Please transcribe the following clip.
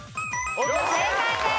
正解です。